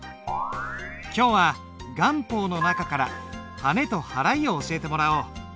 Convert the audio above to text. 今日は顔法の中からはねと払いを教えてもらおう。